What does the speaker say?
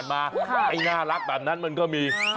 มันผ่านไปผ่านมาไอ้น่ารักแบบนั้นมันก็มี